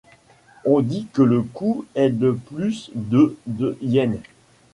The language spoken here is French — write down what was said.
On dit que le coût est de plus de de yens.